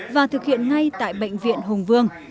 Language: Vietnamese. và thực hiện ngay tại bệnh viện hùng vương